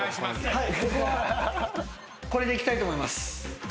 僕はこれでいきたいと思います。